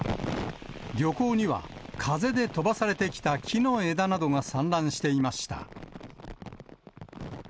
漁港には、風で飛ばされてきた木の枝などが散乱していました。